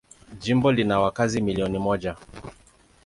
Jimbo lina wakazi milioni moja.